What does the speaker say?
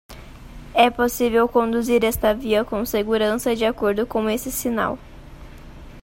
É possível conduzir esta via com segurança de acordo com esse sinal.